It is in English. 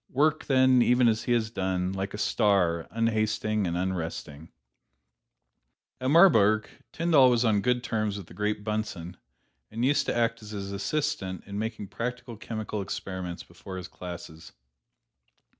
Work, then, even as he has done like a star, unhasting and unresting." At Marburg, Tyndall was on good terms with the great Bunsen, and used to act as his assistant in making practical chemical experiments before his classes.